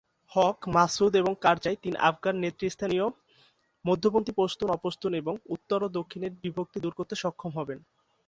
হক, মাসউদ, এবং কারজাই, তিন আফগান নেতৃস্থানীয় মধ্যপন্থী পশতুন, অ-পশতুন এবং উত্তর ও দক্ষিণের বিভক্তি দুর করতে সক্ষম হবেন।""